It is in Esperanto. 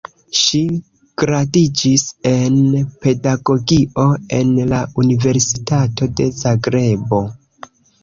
Ŝi gradiĝis en pedagogio en la Universitato de Zagrebo.